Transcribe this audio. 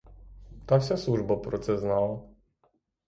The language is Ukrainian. Та вся служба про це знала.